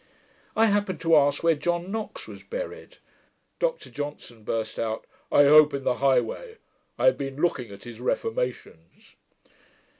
I happened to ask where John Knox was buried. Dr Johnson burst out, 'I hope in the high way. I have been looking at his reformations.'